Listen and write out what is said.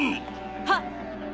はっ。